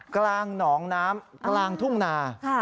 กลางหนองน้ำกลางทุ่งนา